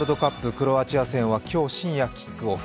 クロアチア戦は今日深夜キックオフ。